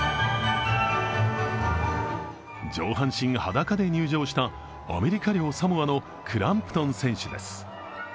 上半身裸で入場したアメリカ領サモアのクランプトン選手です。